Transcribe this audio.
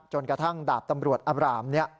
จนกระทั่งดาบตำรวจอบรามเนี่ย